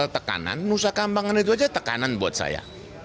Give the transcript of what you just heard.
tekanan nusakambangan itu saja tekanan buat saya